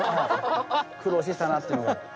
苦労してきたなっていうのが。